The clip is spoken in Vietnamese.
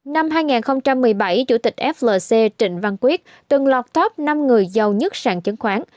năm hai nghìn một mươi bảy chủ tịch flc trịnh văn quyết từng lọt top năm người giàu nhất sàn chứng khoán